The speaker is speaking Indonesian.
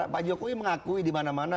pak jokowi mengakui dimana mana